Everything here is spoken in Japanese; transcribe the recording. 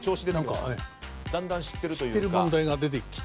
だんだん知ってるというか。